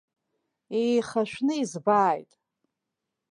Еихашәны избааит!